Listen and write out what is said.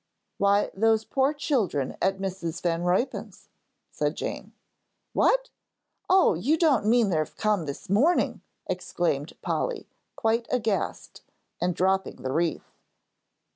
"Why, those poor children at Mrs. Van Ruypen's," said Jane. "What? Oh, you don't mean they've come this morning!" exclaimed Polly, quite aghast, and dropping the wreath.